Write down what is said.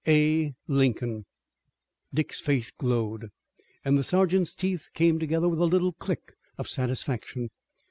A. LINCOLN." Dick's face glowed, and the sergeant's teeth came together with a little click of satisfaction.